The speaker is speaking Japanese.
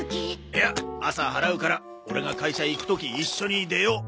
いや朝払うからオレが会社行く時一緒に出よう。